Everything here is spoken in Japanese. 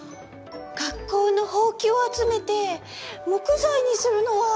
学校のほうきを集めて木材にするのは？